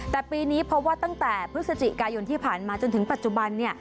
แต่ปีนี้พบว่าตั้งแต่พฤศจิกายนที่ผ่านมาจนถึงปัจจุบัน